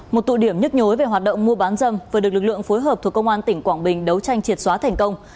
một tụ điểm nhức nhối về hoạt động mua bán dâm vừa được lực lượng phối hợp thuộc công an tỉnh quảng bình đấu tranh triệt xóa thành công